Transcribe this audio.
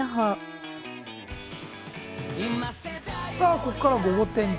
ここからはゴゴ天気。